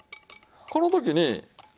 この時に。